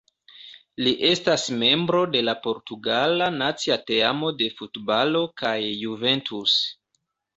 Li estas membro de la portugala nacia teamo de futbalo kaj Juventus.